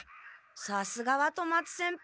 さすがは富松先輩